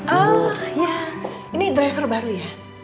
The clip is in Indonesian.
oh ya ini driver baru ya